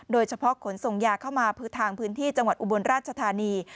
ขนส่งยาเข้ามาทางพื้นที่จังหวัดอุบลราชธานี